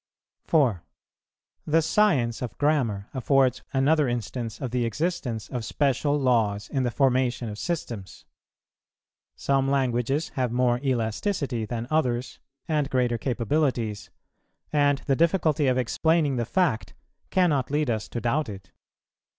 4. The science of grammar affords another instance of the existence of special laws in the formation of systems. Some languages have more elasticity than others, and greater capabilities; and the difficulty of explaining the fact cannot lead us to doubt it.